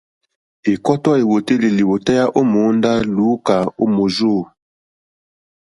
Ɛ̀kɔ́tɔ́ èwòtélì lìwòtéyá ó mòóndá lùúkà ó mòrzô.